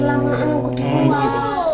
ini kelamaan mukanya